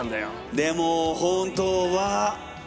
でも本当は。